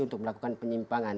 untuk melakukan penyimpangan